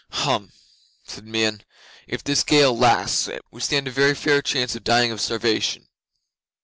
'"Hum!" said Meon. "If this gale lasts, we stand a very fair chance of dying of starvation."